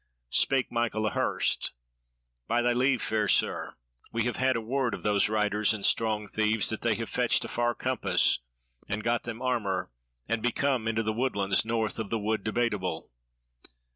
Spake Michael a Hurst: "By thy leave, fair Sir, we have had a word of those riders and strong thieves that they have fetched a far compass, and got them armour, and be come into the woodland north of the Wood Debateable.